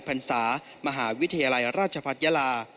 พรรษามหาวิทยาลัยราชพัฒนยาลา